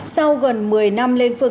sau gần một mươi năm lên phương